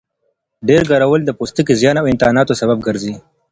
ډېر ګرول د پوستکي زیان او انتاناتو سبب ګرځي.